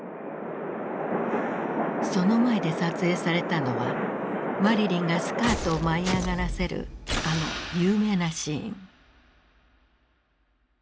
その前で撮影されたのはマリリンがスカートを舞い上がらせるあの有名なシーン。